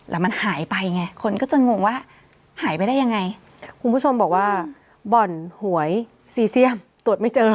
แล้วมันหายไปไงคนก็จะงงว่าหายไปได้ยังไงคุณผู้ชมบอกว่าบ่อนหวยซีเซียมตรวจไม่เจอ